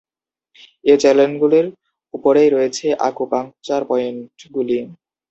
এ চ্যানেলগুলির উপরেই রয়েছে আকুপাঙ্কচার পয়েন্টগুলি।